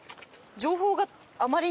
情報があまりにも。